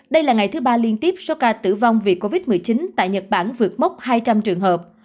đây là ngày thứ ba liên tiếp số ca tử vong vì covid một mươi chín tại nhật bản vượt mốc hai trăm linh trường hợp